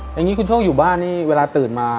อย่างนี้คุณโชคอยู่บ้านนี่เวลาตื่นมา